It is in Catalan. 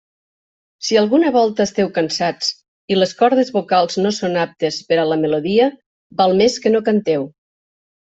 Si alguna volta esteu cansats i les cordes vocals no són aptes per a la melodia, val més que no canteu.